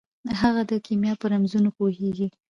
هغه د کیمیا په رمزونو پوهیږي.